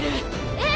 ええ！